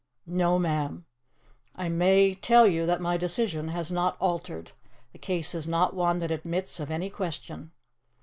"No, ma'am. I may tell you that my decision has not altered. The case is not one that admits of any question."